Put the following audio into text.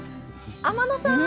天野さん